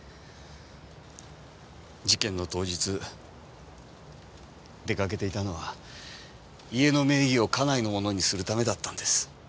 事件の当日出掛けていたのは家の名義を家内のものにするためだったんです。